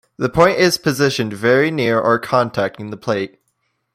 The point is positioned very near or contacting the plate.